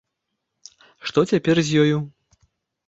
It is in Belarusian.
Што цяпер з ёю?